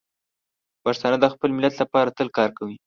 پښتانه د خپل ملت لپاره تل کار کوي.